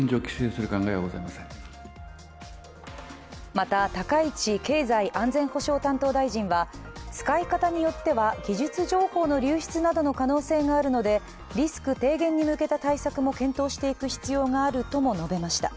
また、高市経済安全保障担当大臣は、使い方によっては、技術情報の流出などの可能性があるのでリスク低減に向けた対策も検討していく必要があるとも述べました。